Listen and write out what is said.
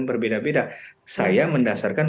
berbeda beda saya mendasarkan